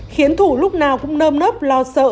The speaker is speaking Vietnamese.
khiến thủ lúc nào cũng nơm nớp lo sợ